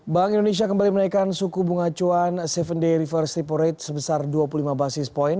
bank indonesia kembali menaikkan suku bunga cuan tujuh day reverse repo rate sebesar dua puluh lima basis point